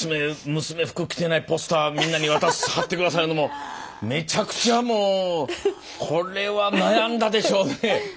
娘服着てないポスターみんなに渡して貼って下さい言うのもめちゃくちゃもうこれは悩んだでしょうね。